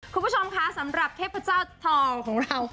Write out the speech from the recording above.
คุณผู้ชมคะสำหรับเทพเจ้าทองของเรา